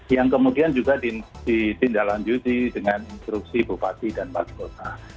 yang kemudian juga ditindaklanjuti dengan instruksi bupati dan wali kota